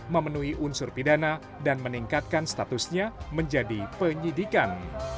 memenuhi unsur pidana dan meningkatkan statusnya menjadi penyidikan